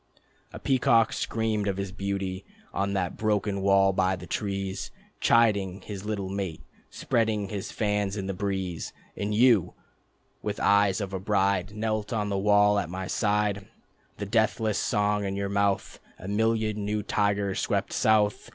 A peacock screamed of his beauty On that broken wall by the trees, Chiding his little mate, Spreading his fans in the breeze ... And you, with eyes of a bride, Knelt on the wall at my side, The deathless song in your mouth ... A million new tigers swept south